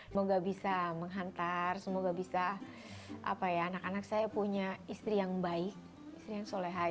semoga bisa menghantar semoga bisa apa ya anak anak saya punya istri yang baik yang soleh